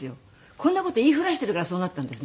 こんな事言いふらしているからそうなったんですね。